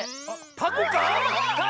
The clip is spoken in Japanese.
タコか⁉